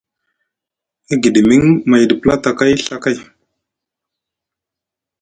E giɗimiŋ mayɗi platakay Ɵa kay.